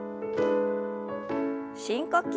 深呼吸。